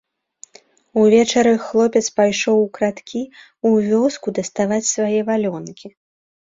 Увечары хлопец пайшоў украдкі ў вёску даставаць свае валёнкі.